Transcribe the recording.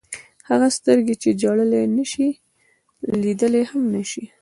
هغه سترګې چې ژړلی نه شي لیدلی هم نه شي.